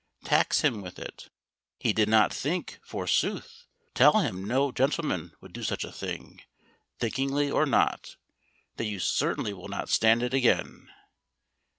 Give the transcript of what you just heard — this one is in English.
Tax him with it. He did not think, forsooth! Tell him no gentleman would do such a thing, thinkingly or not; that you certainly will not stand it again.